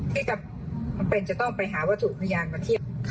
ที่จำเป็นจะต้องไปหาวัตถุพยานมาเทียบ